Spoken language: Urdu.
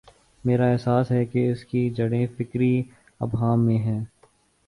میرا احساس ہے کہ اس کی جڑیں فکری ابہام میں ہیں۔